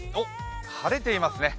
晴れていますね。